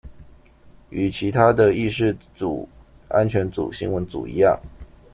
與其他的議事組安全組新聞組一樣